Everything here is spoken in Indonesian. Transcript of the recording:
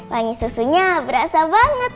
langi susunya berasa banget